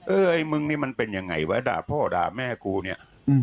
ไอ้มึงนี่มันเป็นยังไงวะด่าพ่อด่าแม่กูเนี่ย